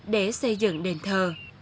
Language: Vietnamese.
để xây dựng đền thờ